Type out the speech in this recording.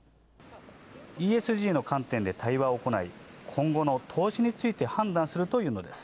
ＥＳＧの観点で対話を行い、今後の投資について判断するというのです。